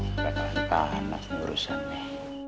gak akan tahan tahan urusan nih